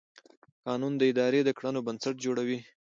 قانون د ادارې د کړنو بنسټ جوړوي.